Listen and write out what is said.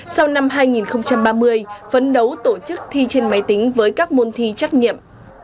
sau năm hai nghìn ba mươi phấn đấu tổ chức thi trên máy tính với các môn thi trắc nghiệm